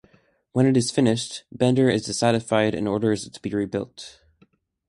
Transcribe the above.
When it is finished, Bender is dissatisfied and orders it be rebuilt.